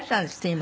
今。